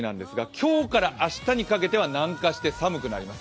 今日から明日にかけては南下して寒くなります。